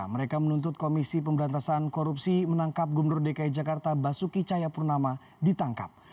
mereka menuntut komisi pemberantasan korupsi menangkap gubernur dki jakarta basuki cahayapurnama ditangkap